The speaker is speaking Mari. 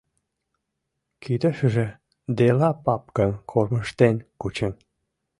Кидешыже дела папкым кормыжтен кучен.